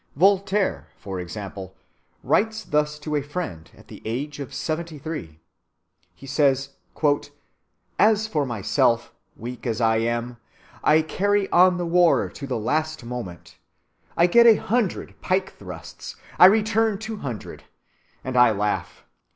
Voltaire, for example, writes thus to a friend, at the age of seventy‐three: "As for myself," he says, "weak as I am, I carry on the war to the last moment, I get a hundred pike‐thrusts, I return two hundred, and I laugh.